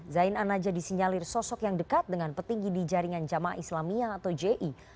zain anaja disinyalir sosok yang dekat dengan petinggi di jaringan jamaah islamiyah atau ji